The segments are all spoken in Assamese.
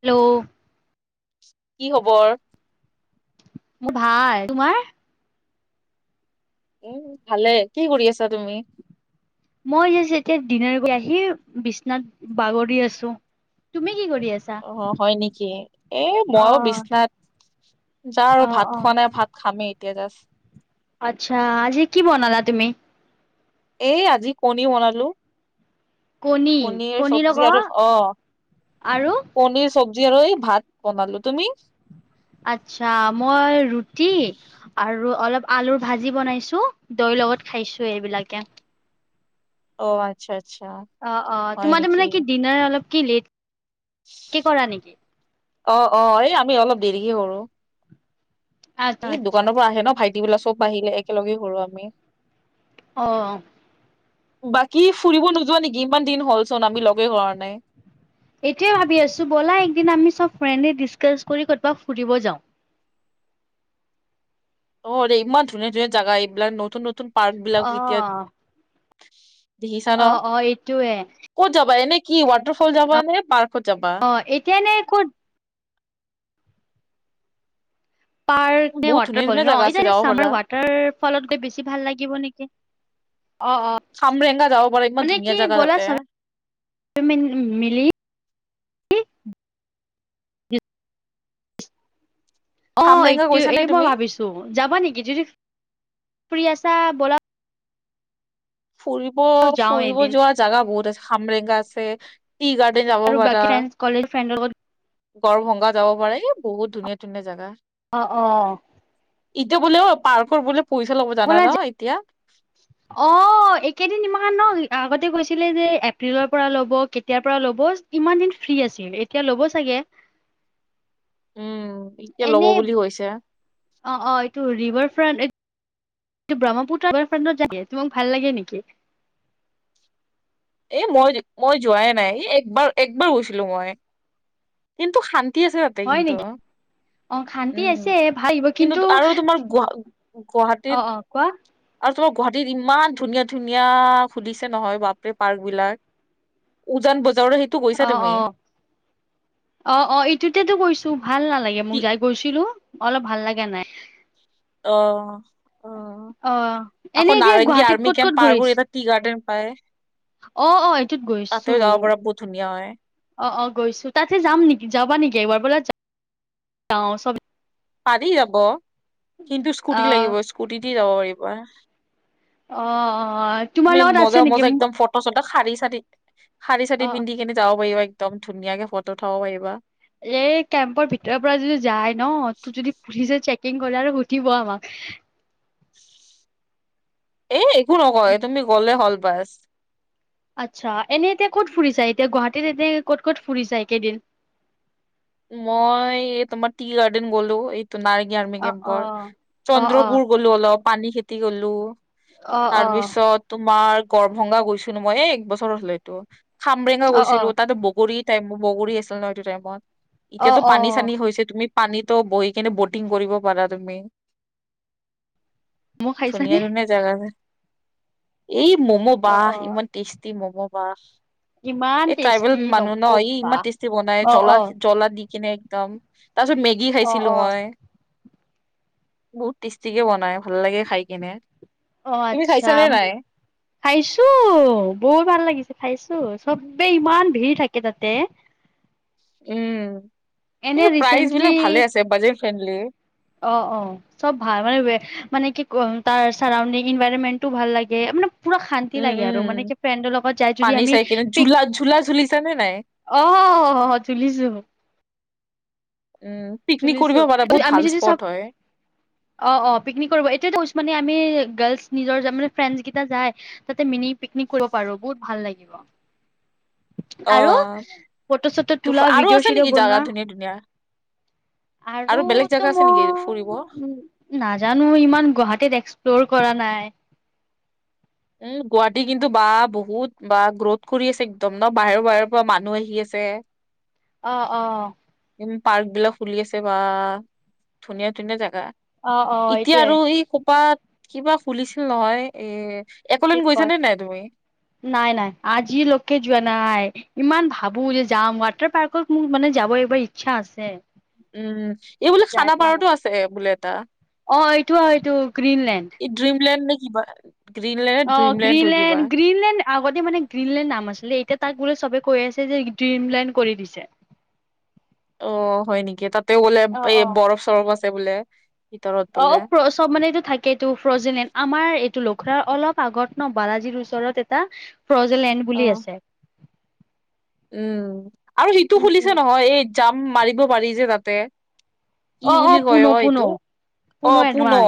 হেল্ল' কি খবৰ মোৰ ভাই তোমাৰ উম ভালে কি কৰি আছা তুমি মই যে এতিয়া দিিন গৈ আহি বিশ্বনাথ বাগৰি আছো তুমি কি কৰি আছা অ হয় নেকি এ অ মইো বিশচনাাত যা আৰু অ ভাত অ খোৱা নাই ভাত খামেই এতিয়া যা আচ্ছা আজি কি বনালা তুমি এই আজি কণী বনালো কণী পনীৰ কণীৰ চব্জি আৰু লগত অ আৰু পনিৰ চবজি আৰু এই ভাত বনালো তুমি আচ্ছা মই ৰুটি আৰু অলপ আলুৰ ভাজি বনাইছো দৈৰ লগত খাইছো এইবিলাকে অ আচ্চছা আচ্চছা অ অ তোমাৰ মানে কি দিনাৰ অলপ কি লেট কৰা নেকি অ অ এই আমি অলপ দেৰিকে কৰো আচ্ছা এই আচ্ছা দোকানৰ পৰা আহে ন ভাইটি বিলাক চব আহ়িলে একেলগে সৰুো আমি আহ বাকী ফুৰিব নোযোৱা নেকি ইমান দিন হ'লচোন আমি লগেই হ নাই এইটোৱে ভাবি আছো ব'লাদিন আমি চব ফ্ৰড ডিচকাছ ফুব যাও। অ, ইমান ধুনীয়া - ধুনীয়া জাগা এইবিলাক নতুন নতুন পাৰ্ক বিলাক এতিয়া অ দেখিছা ন অ', অ', এইটোয়ে ক'ত যাবা এনেক টফল যাবা নে বাৰ্কত যাবা। অ', এতিয়া নে ক'ত পাৰ্ক নে বহুত ৱাটাৰ ধুনীয়া ফল ধুনীয়া ন জেগা আছে যাব পাৰা এইমাৰ ৱাটাৰ ফলত গৈ বেছি ভাল লাগিব নেকি? অ - অ। খামৰেংগা যাব পাৰা ইমান মানে ধুনীয়া কি জেগা বলা তাতে চব মিলি অ, এই খামৰেংগা গৈছা - নে এইটো মই তুমি ভাবিছো যাবা নেকি যদি ফুৰি আছা বল। ফুৰিব - যাওঁ ফুৰিব এদিন যোৱা জাগা বহুত আছে খামৰেগা আছে। টি গাৰ্ডেন যাব আৰু বাকী পাৰা। ফ্ৰেণ্ড কলেজ ফ্ৰেণ্ডৰ লগত গৰভংগা যাব পাৰে এ বহুত ধুনীয়া - ধুনীয়া জেগা। অ - অ। ইটো বোলে অ, পাৰ্কৰ বোলে পইচা ল'ব জানা ব'লা যা ন এতিয়া অ', এইকেইদিন ইমান ন আগতে গৈছিলে যে এপ্ৰিলৰ পৰা ল'ব কেতিয়াৰ পৰা ল'ব ইমান দিন ফ্ৰী আছিল এতিয়া ল'ব চাগে। উম [inaudible] এতিয়া ল'ব এনেই বুলি কৈছে অ - অ এইটো ৰিভাৰ ফ্ৰণ্ট টো ব্ৰহ্মপুত্ৰ ফে তোমাক ভাল লাগে নেকি? এ মই - মই যোৱাই নাই একবাৰ - একবাৰ গৈছিলো মই কিন্তু শান্তি এতি আছে তাতে হয় কিন্তু। নেকি? অ' শান্তি উম, আছে ভাল লাগিব কিন্তু আৰু তোমাৰ গ- গুৱাহাটীত অ' অ' কোৱা তোমাৰ গুৱাহাটীত ইমান ধুনীয়া- ধুনীয়া সুধিছে নহয়, বাপ। পাৰ্ক বিলাক উজন বজাৰ অ- অ -অ -অ, ইটোতে টো কৈছো ভাল নালাগে। মোক কি যাই গৈছিলো অলপ ভাল লাগা নাই। অ- অ, অ' এনে আকৌ এতিয়া নাৰেংগী গুৱাহাটীত আৰ্মি ক'ত ক'ত কেম্প পাৰব ঘূৰিছ এটা টি গাৰ্ডেন। পায়। অ - অ এইটোত গৈছো। তাতেও যাব পৰা বহুত ধুনীয়া হয়। অ- অ গৈছো। তাততে যাম নেকি যাবা নেকি? এবাৰ ব যাও চব। পাৰি যাব। কিন্তু স্কুটি আহ লাগিব স্কুটিতে যাব পাৰিবা। অ -অ তুমি তোমাৰ লগত মজা আছে মজা নেকি? একদম ফটো চটো শাৰী চাৰী - শাৰী চাৰী অ' পিন্ধি কেনে যাব পাৰিবা। একদম ধুনীয়াকে ফটো উথাব পাৰিবা। এ কেম্পৰ ভিতৰৰ পৰা যদি যাই ন। তোৰ যদি পুলিচে চেক কৰি কিং কৰাৰ আৰু সুধিব আমাক। এ, একো নকয়, তুমি গ'লে হল বাছ। আচ্ছা, এনে এতিয়া ক'ত ফুৰিচা? চাই এতিয়া গুৱাহাটীত এনে ক'ত -ক'ত ফুৰি চায় কেইদিন? মই, এই তোমাৰ টি গাৰ্ডেন গ'লো এই। নাৰ্গী আৰ্মি অ অ কেম্পৰ অ অ চন্দ্ৰপুৰ গলো অলপ। পানী খেতি গলো। অ অ তাৰ পিছত তোমাৰ, গৰভংগা গৈছো। মই এ এক বছৰ হলেতো। খামৰেঙা অ গৈছিলো। তাততে বগৰী টাইম বগৰী আছিল ন এইটো টাইমত। অ অ এতিয়াতো অ পানী চানী হৈছে। তুমি পানীতো বহি কেনে ব'টিং কৰিব পাৰা তুমি। ম'ম' খাইছানে ধুনীয়া- ধুনিয়ীয়া জাগা আছে। এই ম'ম, অ বাহ অ ইমান টেষ্টি ম'ম বাহ। ইমান এই ট্ৰাইবেল টেষ্টি মানুহ ন ই নকবা ইমান টেষ্টি বনাই। অ জ্বলা অ জলা দি কিনে একদম। তাৰ পিছত মেগি অ খাইছিলো অ মই। বহুত টেষ্টিকে বনাই। ভাল লাগে খাই কেনে। অ, আচ্ছা খাইছো বৰু ভাল লাগিছিল। খাইছো। চবে ইমান ভিৰ থাকে তাতে। উম, এনে কিন্তু প্ৰাইজ ৰিচেন্টলি বিলাক ভালে আছে। Budget friendly. অ -অ চব ভাল মানে মানে কি ক তাৰ চাৰাউণ্ডিং ইনভাইৰনমেন্টটো ভাল লাগে। মানে পুৰা শান্তি উম লাগে আৰু। মানে উম কি ফ্ৰেণ্ডৰ লগত যাই যদি পানী আমি চাই কিনে পিক ঝুলা ঝুলা ঝুলিছা নে নাই অ, তুলিছো। উম পিকনিক কৰিব শুনিছোঁ। পাৰা বহুত আমি ভাল যদি চ স্পট হয় অ- অ পিকনিক কৰিব। এতিয়া কৈছোঁমানে আমি গাৰলছ নিজৰ, মান ফ্ৰে যাই তাতে মিনি পিকনিক কৰিব পাৰো। বহুত ভাল লাগিব। অ আৰু ফটো -চটো এইটো তোলা আৰু ভিডিঅ' আছে নেকি চিডিঅ' জাগা বনোৱা। ধুনীয়া ধুনীয়া আৰু বেলেগ তো জাগা আছে নেকি ফুৰিব মই নাজানো। ইমান গুৱাহাটীত এক্সপ্ল'ৰ। কৰা নাই। উম, গুৱাহাটী কিন্তু বা বহুত বা গ্ৰথ কৰি আছে। একদম ন বাহিৰৰ -বাহিৰৰ পৰা মানুহ আহি আছে। তাতে অ- অ উম, পাৰ্ক বিলাক খুলি আছে। বা ধুনীয়া ধুনীয়া জাগা। অ', অ', এতিয়া এইটোয়ে আৰু এই খোপাত। কিবা খুলিছিল নহয় এ। একলেন গৈছা কয় নে নাই তুমি নাই- নাই। আজি লোকে যোৱা নাই। ইমান ভাবো যে যাম। ৱাটাৰ পাৰ্কত মোৰ মানে যাব একবাৰ ইচ্ছা আছে। উম, এই বোলে যাই পোৱা নাই খানাপাৰতো আছে। বোলে এটা অ, এইটো আৰু এইটো গ্ৰীণলেণ্ড। এই ড্ৰিমলেণ্ড নে কিবা গ্ৰীণলেণ্ড অ, ড্ৰিমলেণ্ড হয় কিবা গ্ৰীণলেণ্ড- গ্ৰীণলেণ্ড আগতে মানে গ্ৰীণলেণ্ড নাম আছিলে। এতিয়া তাক। বোলে চবে কৈ আছে যে ড্ৰিমলাইণ্ড কৰি দিছে। অ, হয় নেকি। তাতেও গোলে অ এই বৰফ চৰফ আছে বোলে। ভিতৰত অ বোলে অ চব মানেটো থাকেটো ফজিলণ্ আমাৰ এইটো লোক পখাৰ অলপ আগত ন বালাজীৰ ওচৰত এটা ফ্ৰজলেণ্ড অ বুলি আছে উম আৰু সিটো খুলিছে নহয় এই জাম মাৰিব পাৰি যে তাতে কি অ বুলি পুন কয় অ পুন এইটো অ পুন'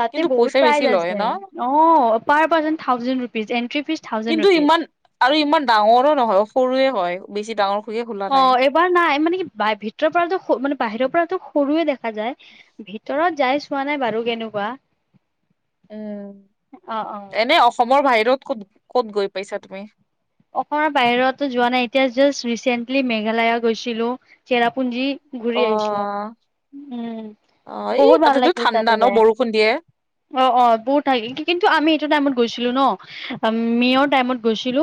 তাতে কিন্তু বহুত পইচা বেছি প্ৰাইজ লয় আছে ন অ পাৰ person thousand rupees entry fees thousand কিন্তু ইমান ৰুপিজ আৰু ইমান ডাঙৰো নহয় সৰুৱে হয় বেছি ডাঙৰ খুকে খোলা অ নাই এইবাৰ নাই মানে কি বা ভিতৰৰ পৰাটো মানে বাহিৰৰ পৰাটো সৰুৱে দেখা যায় ভিতৰত যাই চোৱা নাই বাৰু কেনেকুৱা উম অ অ এনে অসমৰ বাহিৰত ক'ত ক'ত গৈ পাইছা তুমি অসমৰ বাহিৰতো যোৱা নাই এতিয়া জাষ্ট ৰিচেন্টলি মেঘালয় গৈছিলো চেৰাপুঞ্জী অ ঘূৰি আহিছো উম অ এই বহুত ভাল তাতেতো লাগিল ঠাণ্ডা তাতে ন যাই বৰষুণ দিয়ে অ অ বহুত থাক কিন্তু আমি এইটো টাইমত গৈছিলো ন মেয়ৰ টাইমত গৈছিলো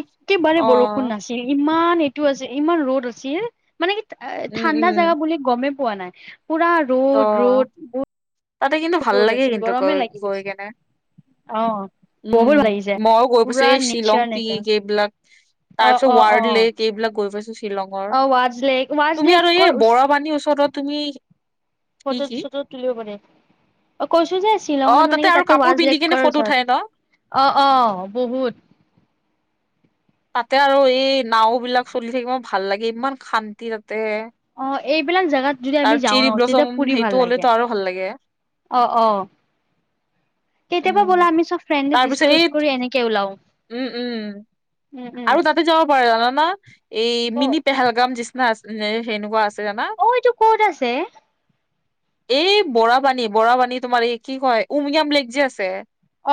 একেবাৰে অ বৰষুণ নাছিল ইমান এইটো আছে ইমান ৰ'দ আচিল মানে কি উম ঠাণ্ডা উম জাগা বুলি গমেই পোৱা নাই পুৰা ত ৰোড ৰোড ব তাতে কিন্তু ভাল লাগে কিন্তু গৈ গৈ কেনে অ বহুত উম ভাল লাগিছে মইও গৈ পৈছো পুৰা এই শ্বিলং নেচাৰ নেচাৰ পিক এইবিলাক অ তাৰ পিছত অ অ ৱাৰ্ড লেক এইবিলাক গৈ পাইছো শ্বিলঙৰ অ ৱাজ লেক ৱাজ তুমি আৰু লেকৰ এই বৰাবানীৰ ওচৰত তুমি কি ফটো- কি চত তুলিব পাৰে অ কৈছো যে অ শ্বিলঙত মানে কি আৰু তাতে কাপোৰ পিন্ধি কেনে ৱাজলেককৰ ফটো উঠাই ন ওচৰত অ অ বহুত তাতে আৰু এই নাও বিলাক চলি থাকিব মই ভাল লাগে ইমান শান্তি তা অ এইবিলাক জেগাত যদি আমি আৰু যাওঁ ন চেৰি তেতিয়া ব্লচম ফুৰি ভাল সেইটো লাগে হ'লেতো আৰু ভাল লাগে অ অ কেতিয়াবা ব'লা উম আমি চব ফ্ৰেণ্ডএ তাৰ পিছত ডিচকাচ এই কৰি এনেকে ওলাও উম উম উম উম আৰু তাতে যাব পাৰে জান ন এই ক'ত মিনি পেহেলগাম যিচিনা আছে উ সেনেকুৱা আছ অ এইটো কত আছে? এই বৰাবানী বৰাবানী তোমাৰ এই কি কয় উমিয়াম লেক যে আছে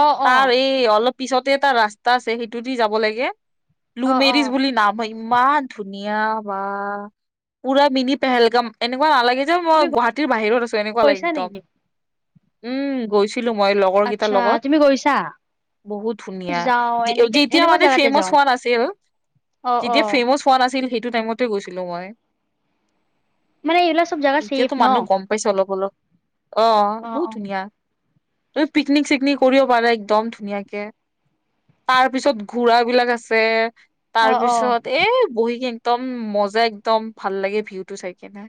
অ অ তাৰ এই অলপ পিছতে এটা ৰাস্তা আছে সেইটোদি যাব লাগে লু অ অ মেৰিজ বুলি নাম হয় ইমান ধুনীয়া বা পুৰা মিনি পেহেলগাম এনেকুৱা নালাগে যে মই তুমি গুৱাহাটীৰ বাহিৰত আছো এনেকুৱা লাগ গৈছা একদম নেকি উম গৈছিলো মই লগৰ কেইটাৰ আচ্ছা লগত তুমি গৈছা বহুত ধুনীয়া যাওঁ এনেকে যেতিয়া এনেকুৱা মানে জেগাতে ফেমছ যাওঁ। হোৱা নাই নাছিল অ', যেতিয়া অ'। ফেমাচ হোৱা নাছিল সেইটো টাইমতে গৈছিলো মই মানে এইবিলাক চব জেগা ছেফ এতিয়াতো ন? মানুহ গম পাইছে অলপ অলপ অ বহুত ধুনীয়া তমি পিকনিক চিকনিক কৰিও পাৰা একদম ধুনীয়া কে তাৰ পিছত ঘোৰা বিলাক আছে তাৰ অ', অ'। পিছত এই বহী কেং একদম মজা একদম ভাল লাগে ভিউটো চাই কিনে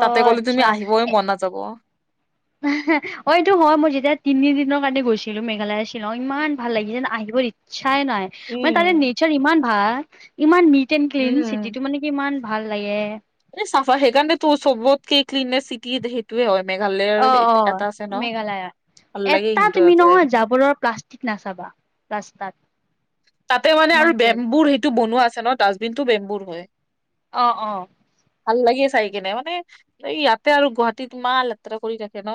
তাতে কলে তুমি আহিবই মন নাযাব আহ অ এইটো হয় মই যেতিয়া তিনি দিনৰ কাৰণে গৈছিলো মেঘালয়ছি লং ইমান ভাল লাগি যে আহিব ইচ্ছাই নাই মানে তাৰে উম নেচাৰ ইমান ভাল ইমান ক্লীন ক্লীন চিটি টো মানে কি ইমান ভাল লাগে চাফা সেইকাৰণে তোৰ চবতক ক্লিননেছ চিটি সেইটোৱে হয় মেঘালয়ৰ অ', অ', এটা আছে ন মেঘালয়ত। ভাল লাগে এটা কিন্তু তুমি তাতে যাই নহয় কিনে জাবোৰৰ প্লাষ্টিক নাচাবা ৰা্স্তাত তাতে মানে আৰু বেম্বুৰ সেইটো বনোৱা আছে ন ডাষ্টবিনটো বেম্বুৰ হয় অ অ ভাল লাগিয় চাই কেনে মানে এই ইয়াতে আৰু গুৱাহাটীত মাহ যাত্ৰা কৰি থখে ন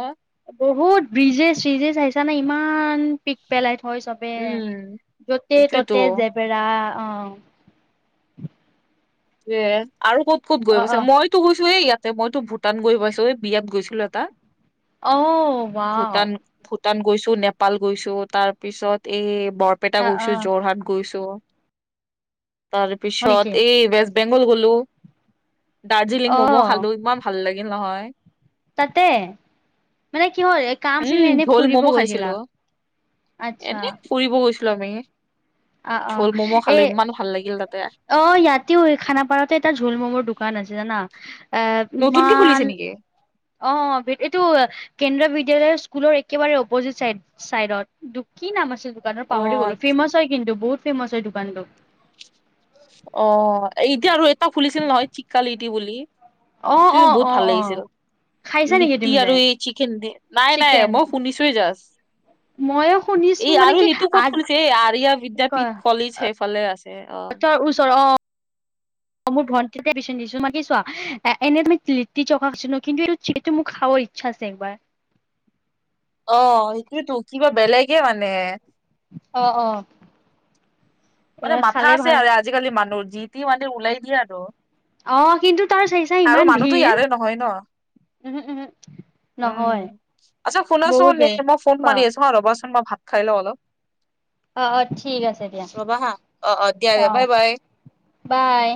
বহুত ব্ৰিজেছ চিজে চ আহাইছা নে ইমান ইমান পিক পেলাই থয় চবে উম যতে ততে সেইটোৱেতো জেবেৰা অ এ আৰু ক'ত ক'ত অ', গৈৈছো অ', মইতো গৈছো এ ইয়াত ত মইতো ভূটান গৈ পাইছো এই বিয়াত গৈছিলো এটা আহ ব ভূটান ভূটান গৈছো নেপাল গৈছো তাৰ পিছত এই বৰপেটা অ', গৈছো অ', যোৰহাট গৈছো তাৰ হয় নেকি? পিছত এই ৱেষ্ট বেংগল গলো দাৰ্জিলিং মমো অ', খালো ইমান ভাল লাগিল নহয় তাতে মানে কি হ'ল এ কামছিলে এনেই ফুৰিব গৈছিলা আচ্ছা এনেই ফুৰিব গৈছিলো আমি অ অ ঝোল ম'ম' এ খালো ইমান ভাল লাগিল তাতে অ ইয়াতি খানাপাৰাতে এটা ো ম'মৰ দোকান আছে জানা এ নতুনকে মান খুলিছে নেকি অ এইটো কেন্দ্ৰবিদ বিদ্য়ালয়ৰ স্কুলৰ একেবাৰে অপজিট চাই চাইডত কি নাম আছিল দোকানৰ অ পাহৰি গলো ফেমচ হয় টো বহুত ফেমাচ হয় দোকানটো অ এতিয়া আৰু এপাৰ ফুলিছিল নহয় ঠিককালিট বুলি অ', সেইটোে অ', বহুত অ', ভাল অ', লাগিছিল খাইছা নেকি তুমি লিট্টি যাই আৰু এই চিকেন দ নাই নাই মই শুনিছোে যছ মইো এই আৰু সেইটো ক'তছে এই আয়া বিদ্্যাপীঠ কলেজ সেইফালে আছে অ চৰ অ অ মোৰ ভণ্টিতে বিচন দিছো মাগিছোৱা এই তই লিটিকাছিল নো কিন্তু এইটোিটো মোক খাবৰ ইচ্ছা আছে একবাৰ অ সেইটোয়েতো কিবা বেলেগে মানে আহ অ মানে এইবাৰ মাথা খালে আছে ভাল। আৰু আজিকালি মানুহৰ যি মানে ওলাই দিয়ে আৰু অ কিন্তু তাৰ চাইছা আৰু ইমান মানুহতো ভিৰ। ইয়াৰে নহয় ন উহু উহু উম নহয়। আচ্ছা শুনাছো বহুত ন বেৰ মই ফোন খোৱা। মাৰি আছো আৰু ৰ'বা বা ভাত খাইলে অলপ অ অ ঠিক আছে দিয়া ৰ'বা হা অ দিয়া অ দিয়া বাই বাই বাই